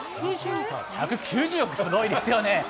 １９０億、すごいですよね。